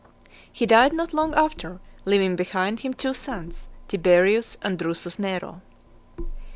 He died not long after; leaving behind him two sons, Tiberius and Drusus Nero.